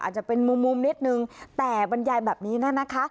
อาจจะเป็นมุมมุมนิดนึงแต่บรรยายแบบนี้นะคะ